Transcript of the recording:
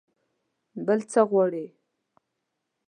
بل څه غواړئ؟